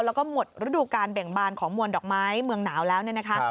แล้วก็หมดฤดูการเบ่งบานของมวลดอกไม้เมืองหนาวแล้วเนี่ยนะคะ